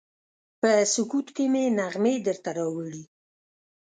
په سکوت کې مې نغمې درته راوړي